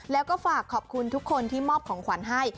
แล้วก็ฝากขอบคุณทุกคนที่มอบของขวัญให้